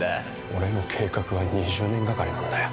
俺の計画は２０年がかりなんだよ。